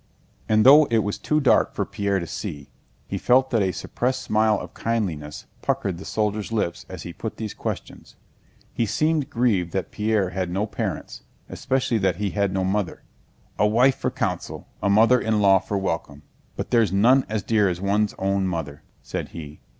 And though it was too dark for Pierre to see, he felt that a suppressed smile of kindliness puckered the soldier's lips as he put these questions. He seemed grieved that Pierre had no parents, especially that he had no mother. "A wife for counsel, a mother in law for welcome, but there's none as dear as one's own mother!" said he.